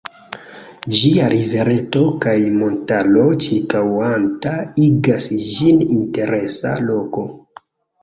Ĝia rivereto kaj montaro ĉirkaŭanta igas ĝin interesa loko.